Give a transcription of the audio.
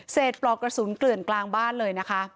เสร็จปลอกกระสุนเกลื่อนกลางบ้านเลย